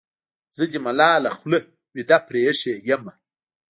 زه دې ملاله خوله وېده پرې اېښې یمه.